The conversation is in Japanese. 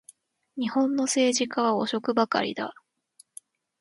日本の政治家は汚職ばかりだ